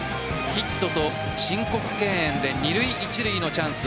ヒットと申告敬遠で二塁・一塁のチャンス